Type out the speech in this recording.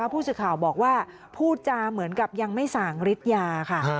ผู้สื่อข่าวบอกว่าพูดจาเหมือนกับยังไม่สั่งฤทธิ์ยาค่ะ